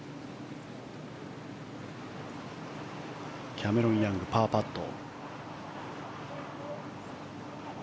キャメロン・ヤングパーパット。